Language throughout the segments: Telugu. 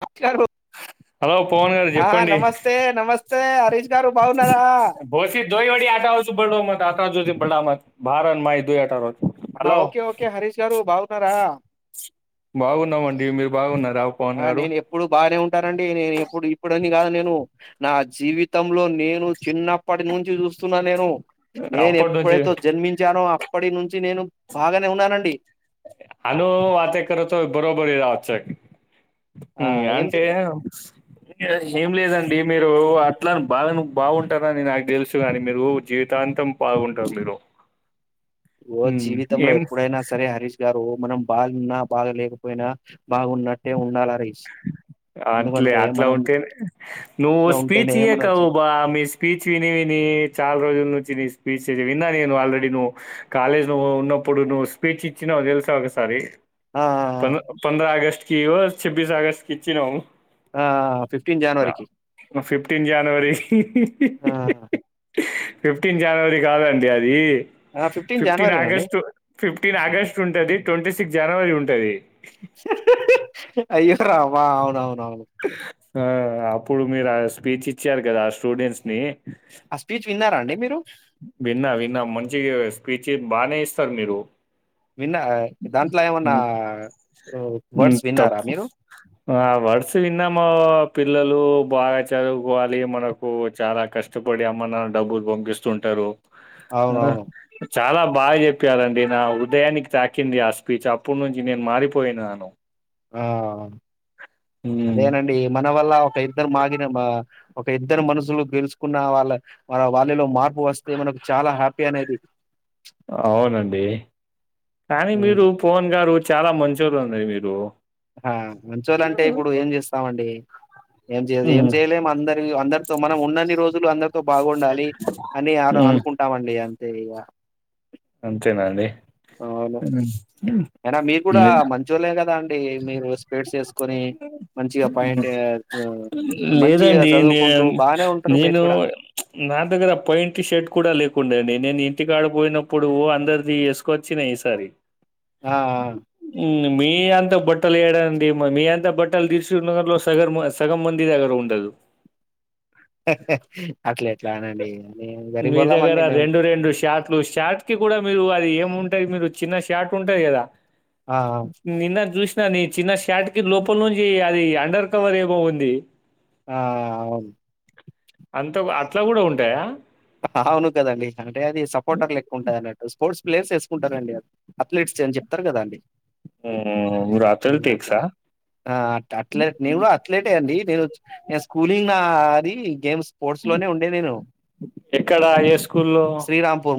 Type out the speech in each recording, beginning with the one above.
[unintelligible] ఆ నమస్తే నమస్తే హరీష్ గారు బావున్నారా [unintelligible] హా హలో ఓకే ఓకే హరీష్ గారు బావున్నారా బావున్నామండి మీరు బావున్నా ఆ నేను ఎప్పుడూ బానే ఉంటానండి నేనెప్పుడూ ఇప్పుడని కాదు నేను నా జీవితం లో నేను చిన్నప్పటి నుంచి జూస్తున్నా నేను నేను అప్పటి నుంచి ఎప్పుడైతో జన్మించానో అ ప్పటి నుంచి నేను బాగానే ఉన్నానండి ఆను వాతే కతో బరోబరి రా చ్చెక్ ఆ ఊ అంటే ఏంది ఏం లేదండి మీరు అట్లన్ బాగా ను బాగుంటారని నాకు తెలుసు కాని మీరు జీవితాంతం బావుంటారు మీరు ఓ ఉమ్, జీవితంలో ఏం ఎప్పుడైనా సరే హరీష్ గారు మనం బాగున్నా బాగా లేకపోయినా బాగున్నట్టే ఉండాలా హరీష్ అట్లే ఎందుకంటే అట్లా మనం ఉంటే నువ్వు ఇట్లా స్పీచ్ ఉంటేనే మన ఇయ్యకు జీ అబ్బా నీ స్పీచ్ విని విని చాల రోజు నుంచి ఇది స్పీచ్ ఇది విన్నా నేను ఆల్రెడీ నువ్వు కాలేజ్ లో ఉన్నప్పుడు నువ్వు స్పీచ్ ఇచ్చినవ్ దెలుసా ఒకసారి ఆ ఆ పం పంద్రా ఆగస్ట్కివో చెబ్బీస్ ఆగస్ట్కి ఇచ్చినవ్ ఆ ఫిఫ్టీన్ జనవరికి ఫిఫ్టీన్ జనవరి ఆ! ఫిఫ్టీన్ జనవరి కాదండి అది ఆ! ఫిఫ్టీన్ జనవరేనండి. ఆగస్టు ఫిఫ్టీన్ ఆగస్ట్ ఉంటది ట్వంటీ సిక్స్ జనవరి ఉంటది అయ్యో రామా అవునవునవును ఆ అప్పుడు మీరు ఆ స్పీచ్ ఇచ్చారు గదా ఆ స్టూడెంట్స్ ని ఆ స్పీచ్ విన్నారా అండి మీరు? విన్నా విన్నా మంచి స్పీచ్ బానే ఇస్తరు మీరు విన్నా దాంట్లో ఏమన్నా హ్మ్ హ్మ్ వర్డ్స్ విన్నారా తప్పు మీరు ఆ వర్డ్స్ విన్నాము పిల్లలు బాగా చదువుకోవాలి మనకు చాలా కష్టపడి అమ్మనాన్న డబ్బులు పంపిస్తుంటారు ఆ అవునవును చాలా బాగా చెప్పారండి నా హృదయానికి తాకింది ఆ స్పీచ్ అప్పటి నుంచి నేను మారిపోయినాను ఆ! హ్మ్ అదేనండి మన వల్ల ఒక ఇద్దరు మారిన ఒక ఇద్దరు మనుషులు గెలుచుకున్న వాళ్ళ వా వాళ్ళలో మార్పు వస్తే మనకు చాలా హ్యాపీ అనేది అవునండి కానీ హ్మ్. మీరు పవన్ గారు వ చాలా మంచోరండి మీరు ఆ మంచోళ్ళంటే ఇప్పుడు ఏం జేస్తామండి ఏం చేయదు ఏం హ్మ్ చేయలేం అందరి అందరితో మనం ఉన్నన్ని రోజులు అందరు తో బాగుండాలి అని హ్మ్ అనుకుంటామండి అంతే ఇగా అంతేనా అండి అయినా మీకు గూడా హ్మ్. మంచోళ్లే గదా అండి మీరు స్పేడ్స్ యేసుకొని మంచిగా పాయింట్ మంచిగా లేదండి నే చదువుకుంటూ బానే ఉంటరు మీరు నేను గూడా నా దగ్గర పైయింటి షర్ట్ కూడా లేకుండే అండి నేను ఇంటికాడ పోయినప్పుడు అందరిది యేసుకొచ్చిన ఈసారి ఆఆ మీ అంతా బట్టలు యెడండి మీ అంతా బట్టలు దిల్ సుఖ్ నగర్ లో సగం సగం మంది దగ్గర ఉంది ఉండదు అట్లా ఎట్లా అనండి మేము గరీబోళమండి మేము ట్లు షాట్ కి గూడా మీరు అది ఏంముంటది మీరు చిన్న షాట్ ఉంటది గదా ఆ నిన్న జూస్ సిన చిన్న షాట్ కి లోపల నుంచి అది అండర్ కవర్ ఏమో ఉంది ఆ అవును అంత అట్లా గూడా ఉంటయా అవును కదండి అంటే అది సపోర్టర్ లెక్క ఉంట దన్నట్టు స్పోర్ట్స్ ప్లేయర్స్ యెసుకుంటారండి అథ్లీట్స్ అని జెప్తరు గదా అండి రాత్రల్ అట్లా టేక్సా అట్లట్ నేను గూడా అథ్లటే అండి నేను నే స్కూలింగ్ నా అది గేమ్స్ స్పోర్ట్స్ లోనే ఉండే నేను ఎక్కడ ఏ స్కూల్లో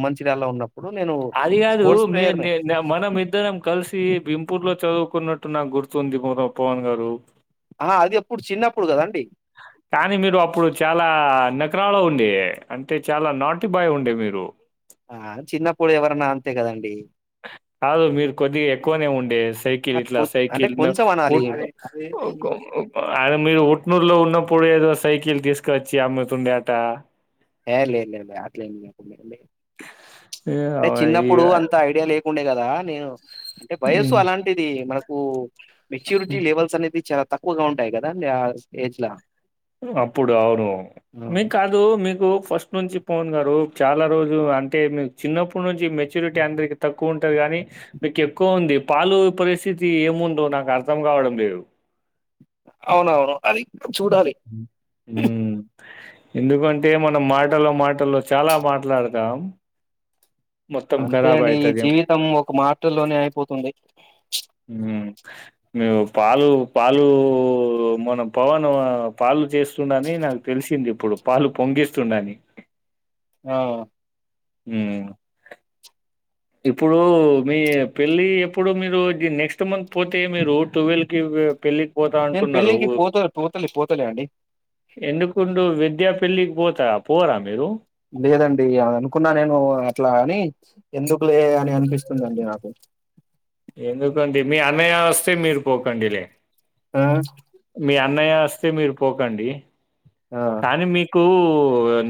మంచిరాలా ఉన్నప్పుడు నేను అది గాదు స్పోర్ట్స్ మీ ప్లేయర్‌నే. మనం ఇద్దరం కలిసి బింపూర్ లో చదువు కున్నట్టు నాకు గుర్తుంది మొహం పవన్ గారు ఆ అది ఎప్పుడు చిన్నప్పుడు కదండి కానీ మీరు అప్పుడు చాలా నకరాలో ఉండే అంటే చాలా నాటి బాయ ఉండే మీరు ఆ చిన్నప్పుడు ఎవరన్నా అంతే కదండి కాదు మీరు కొద్దిగా ఎక్కువనే ఉండే సైకిల్ ఆ! ఇట్లా కొ అంటే సైకిల్ ను కొంచెం అనాలి. అ మీరు ఉట్నూరులో ఉన్నప్పుడు ఏదో సైకిల్ తీసుకువచ్చి అమ్ముతుండే అట ఏ లేదు లే లే అట్లేం ఏ అంటే అవ చిన్నప్పుడు అంత ఐడియా లే ఉండే కదా నేను అంటే వయస్సు ఈ అలాంటిది మనకు మెచ్యూరిటీ లెవెల్స్ అనేది చాలా తక్కువగా ఉంటాయి కదా ఏజ్ అప్పుడు అవును మీకు కాదు మీకు ఫస్ట్ నుంచి పవన్ గారు చాలా రోజు అంటే మీ చిన్నప్పటి నుంచి మెచ్యూరిటీ అందరికి తక్కువ ఉంటది గానీ కానీ మీకు ఎక్కువ ఉంది పాలు పరిస్థితి ఏముందో నాకు అర్థం గావడం లేదు అవునవును అది చూడాలి. హ్మ్ ఎందుకంటే మనం మాటలు మాటల్లో చాలా మాట్లాడతాం మొత్తం అంతే ఖరాబ్ అండి ఈ అయితది. జీవితం ఒక మాటలోనే అయిపోతుంది మేము పాలు పాలు మనం పవన్ పాలు చేస్తుండ అని నాకు తెలిసింది ఇప్పుడు పాలు పొంగిస్తుండని ఆ హ్మ్ ఇప్పుడు మీ పెళ్ళి ఎప్పుడు మీరు నెక్స్ట్ మంత్ పోతే మీరు ట్వెల్వ్ కి పెళ్లి పోతా నేను అంటున్నారు పెళ్ళికి పోత పోతలే పోతలే అండి ఎందుకుండు విద్యా పెల్లి పోతారా పోరా మీరు లేదండి అ అనుకున్నా నేను అట్లా అని ఎందుకు లే అని అనిపిస్తుందిండి నాకు ఎందుకండి మీ అన్నయ్య వస్తే మీరు పోకండి లే ఆ మీ అన్నయ్య వస్తే మీరు పోకండి ఆ కానీ మీకు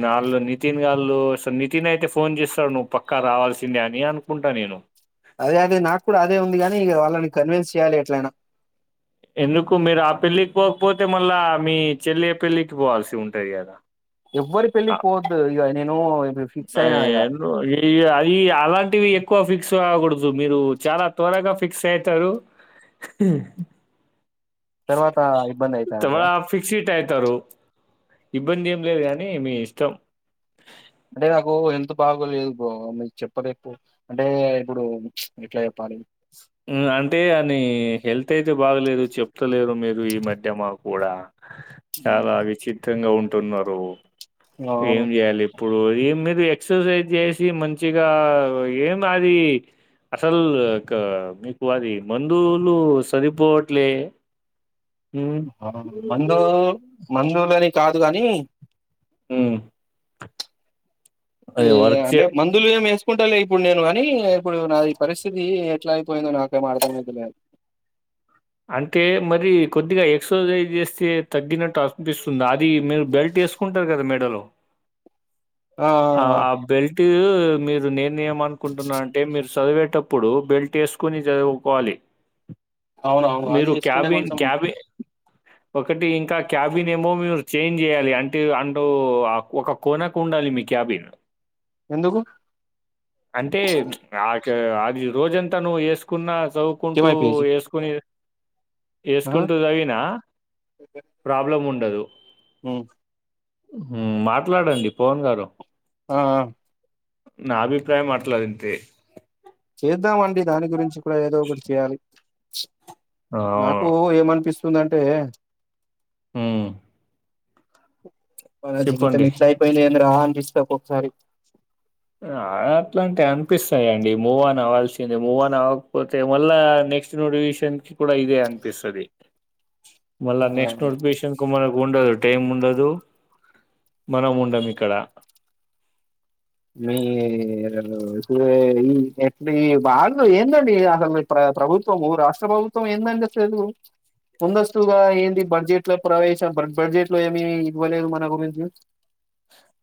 నాళ్ళు నితిన్ గళ్ళు అసలు నితిన్ అయితే ఫోన్ చేస్తాడు నువ్వు పక్కా రావాల్సిందే అని అనుకుంటా నేను అదే అదే నాకు కూడా అదే ఉంది కాగానీ ఇక వాళ్ళని కన్విన్స్ చేయ్యాలి ఎట్లనా ఎందుకు మీరు ఆ పెళ్లికి పోకపోతే మళ్ళా మీ చెల్లి పెళ్ళికి పోవాల్సి ఉంటది కదా ఎవవరి పెళ్ళికి పోద్దుఇగ నేను ఇప్పుడు ఫిక్స్ అ అయినా ఇక అది అలాంటివి ఎక్కువ ఫిక్స్ కావకూడదు మీరు చాలా త్వరగా ఫిక్స్ అవుతారు తర్వాత ఇబ్బంది తామర అయితాదంటారా ఫిక్సిట్ అయితరు ఇబ్బంది ఏం లేదు కానీ మీ ఇష్టం అంటే నాకు హెల్ బాగోలేదు బ మీరు చెప్పదప్పు అంటే ఇప్పుడు ఎట్లా చెప్పాలి అంటే అని హెల్త్ అయితే బాగలేదు చెప్తలేరు మీరు ఈ మధ్య మా కూడా చాలా విచిత్రంగా ఉంటున్నారు ఏం అవును చేయాలి ఇప్పుడు ఏ మీరు ఎక్సర్సైజ్ చేసి మంచిగా ఏం అది అసలు ఇ మీకు అది మందువులు సరిపోవట్లే హ్మ్. మందు మందులని కాదు కాగాని ఆ ఏ అంటే చే మందులు ఏం వేసుకుంటా లే ఇప్పుడు నేను కానీ ఇప్పుడు నాది పరిస్థితి ఎట్లా అయిపోయిందో నాకేమ అర్థమది లేదు అంటే మరి కొద్దిగా ఎక్సర్సైజ్ చేస్తే తగ్గినట్టు అనిపిస్తుంది అది మీరు బెల్ట్ వేసుకుంటారు కదా మేడలో ఆ! ఆ బెల్ట్ మీరు నేనే ఏమనుకుంటున్నా అంటే మీరు చదివేటప్పుడు బెల్ట్ వేసుకొని చదువుకోవాలి అవునవును. అది మీరు చేసుకుంటే క్యాబిన్ కొంచెం క్యాబిన్ ఒకటి ఇంకా క్యాబిన్ ఏమో మీరు చేంజ్ చేయాలి అంటే అంటూ ఒక కొనకు ఉండాలి మీ క్యాబిన్ ఎందుకు? అంటే ఆ అది రోజంతా నువ్వు వేసుకున్న చదువుకుంటూ ఏమైపోయేది? వేసుకుని ఆ! వేసుకుంటూ చదివినా ప్రాబ్లం ఉండదు హ్మ్. మాట్లాడండి పవన్ గారు ఆ నా అభిప్రాయం మాట్లాదుంతే చేద్దాము అండి దాని గురించి కూడా ఏదో ఒకటి చేయాలి అవును నాకు ఏమనిపిస్తుందింటే హ్మ్ మన జీవితం ఇట్లా అయిపోయింది ఏందీ రా అనిపిస్తది ఒక్కకా సారీ ఆ అట్లా అంటే అనిపిస్తాయిండి మూవ్ ఆన్ అవవాల్సిందే మూవ్ ఆన్ అవ్వకపోతే మళ్ళ నెక్స్ట్ నోటివషన్ కి కూడా ఇదే అనిపిస్తుది మళ్ ఆ! నెక్స్ట్ నోటిఫికేషన్ కు మళ్ళ గు టైం ఉండదు మనం ఉండం ఇక్కడ మీ అ ఈ ఎట్ బాగు ఏందండి అసలు ప్ర ప్రభుత్వము రాష్ట్ర ప్రభుత్వం ఎందండి అసలు ముందస్తుగా ఏంటి బడ్జెట్ లో ప్రవేశ బడ్జెట్ లో ఏమి ఇవ్వలేదు మన గురించి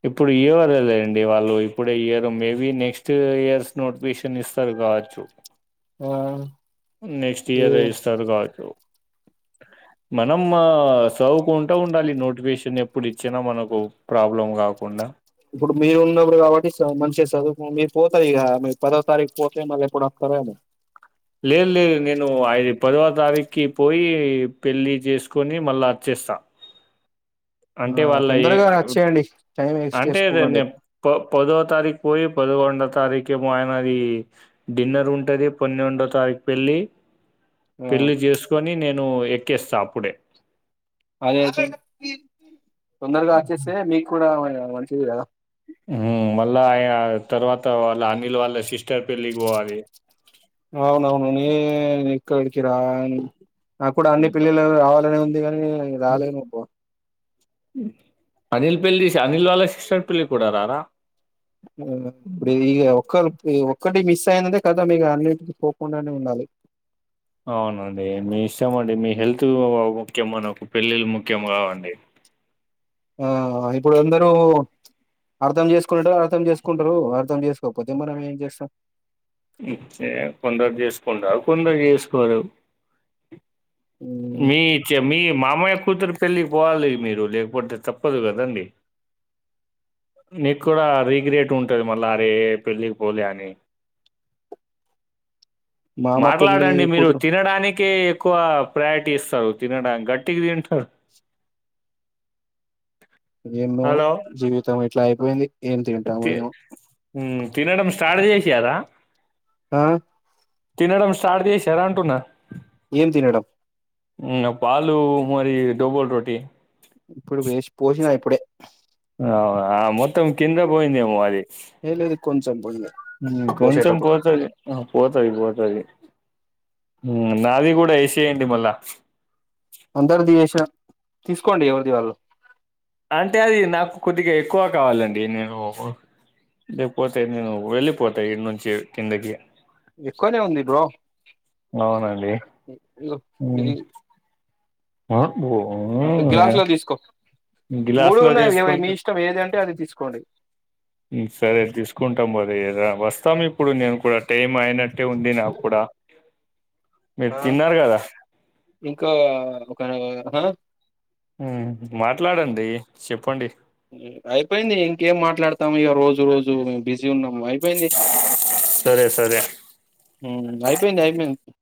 ఇప్పుడు ఇవర్దండి వాళ్ళు ఇప్పుడే year maybe next years notification ఇస్తారు కావచ్చు ఆ నెక్స్ట్ ఇయర్ ఈ- ఇస్తారు కావచ్చు మనం సదువుకుంటా ఉండాలి నోటిఫికేషన్ ఎప్పుడు ఇచ్చినా మనకు ప్రాబ్లం కా కుండా మీరూ పోతారు ఇగ మీరు పదో తారీకు పోతే మల్లా ఎప్పుడూ వస్తారో ఏమో లేదు లేదు నేను ఐదు పదో తారీఖకి పోయి పెళ్లి చేసుకొని మళ్ళీ వచ్చే ఆ ఆ అంటే వాళ్ళ ఏ తొందరగా వచ్చేయండి టైం వేస్ట్ అంటే చేసుకోకండి నే ఎక్కువ పదో తారీఖు పోయి పదకొండ రండో తారీఖే ఆయనది డిన్నర్ ఉంటది పన్నెండో తారీఖు పెళ్ళి ఆ పెళ్లి చేసుకొని నేను ఎక్కేస్తా అప్పుడే అదే తొందరగా వచ్చేస్తే మీకు కూడా మంచిది కదా మళ్ళా ఆ తర్వాత వాళ్ళ అనిల్ వాళ్ళ సిస్టర్ పెళ్ళికి పోవాలి అవునవును నే ఇక్కడికి రా నాకు కూడా అన్ని పెళ్ళిలకి రావాలని ఉంది కానీ రాలేను అబ్బ అనిల్ పెళ్ల్లి అనిల్ వాళ్ళ సిస్టర్ పెళ్ళి కూడా రారా ఇప్పు ఈ ఒక్కల్పు ఒక్కటి మిస్ అయినంటే ఖాతం ఇక అన్నింటికి పోకుండానే ఉండాలి అవునండి మీ ఇష్టం అండి మీ హెల్త్ ముఖ్యమా నాకు పెళ్ళిళ్ళ ముఖ్యం కావండి ఆ ఇప్పుడు అందరూ అర్థం చేసుకుంట అర్థం చేసుకుంటారు అర్థం చేసుకోకపోతే మనం ఏం చేస్తాం కొందరు చేసుకోంటారు కొందరు చేసుకోరు హ్మ్ మీ మీ మామయ్య కూతురు పెళ్ళికి పోవాలి మీరు లేకపోతే తప్పదు కదండి నీకు కూడా రీగ్రేట్ ఉంటది మళ్ళ అరే పెళ్ళికి పోలే అని మామ పెళ్లి మాట్లాడండి మీరు కూతురు తినడానికె ఎక్కువ ప్రయారిటీ ఇస్తావ్ తినడాని గట్టిగా తింటర్ ఏందో జీవితం ఇట్ల అయిపోయింది ఏం తింటామో ఓకె ఏమో హ్మ్ తినడం స్టార్ట్ చేసిరా ఆ తినడం స్టార్ట్ చేసార అంటున్నా ఏం తినడం ఇంగ పాలు మరి డుబోల్ రోటీ ఇప్పుడు వేసి పోసినా ఇప్పుడే అవునా మొత్తం కింద పోయిందేమో అది ఏ లేదు కొంచెం పోయిన హ్మ్ కొంచెం పోసేటప్పుడు పోతది అ పోతది పోతది హ్మ్ నాది కూడా యేసేయండి మళ్ళ అందరిది ఏసా తీసుకోండి ఎవరిది వాళ్ళు అంటే అది నాకు కొద్దిగా ఎక్కువ కావాలండి నేను లేపోతే నేను వెళ్ళిపోతా ఇడనుంచి కిందకి ఎక్కువనే ఉంది బ్రో అవునండి ఇగో హ్మ్ ఇది ఆఓ గ్లాసులో తీసుకో మూడు ఉన్నాయి మీ ఇష్టం ఏది అంటే అది తీసుకోండి సరే తీసుకుంటాం మరి వస్తాము ఇప్పుడు నేను కూడా టైమ్ అయినట్ అంటే ఉంది నా కూడా మీరు ఆ తిన్నారు కదా ఇంకా ఒక ఆ హ్మ్ మాట్లాడండి చెప్పండి అయిపోయింది ఇంకేం మాట్లాడతాం ఇగ రోజు రోజు బి జీ ఉన్నాము అయిపోయింది సరే సరే హ్మ్ అయిపోయింది అయిపోయిం